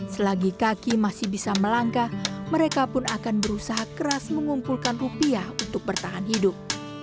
selagi kaki masih bisa melangkah mereka pun akan berusaha keras mengumpulkan rupiah untuk bertahan hidup